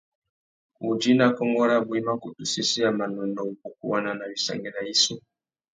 Udjï nà kônkô rabú i mà kutu sésséya manônōh, wubukuwana na wissangüena yissú.